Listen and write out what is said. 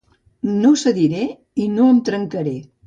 No cediré, i no em trencaré.